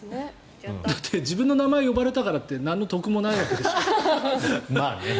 だって自分の名前呼ばれたからってなんの得もないでしょう。